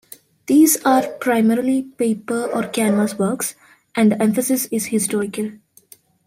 These are primarily paper or canvas works, and the emphasis is historical.